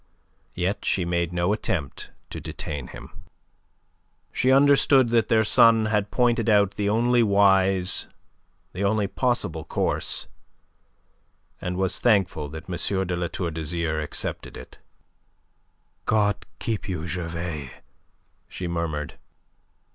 Yet she made no attempt to detain him. She understood that their son had pointed out the only wise, the only possible course, and was thankful that M. de La Tour d'Azyr accepted it. "God keep you, Gervais," she murmured.